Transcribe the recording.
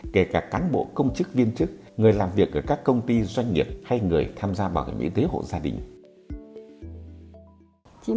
kể cả cán bộ công chức viên chức người làm việc ở các công ty doanh nghiệp hay người tham gia bảo hiểm y tế hộ gia đình